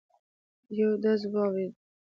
یو ډز واورېد.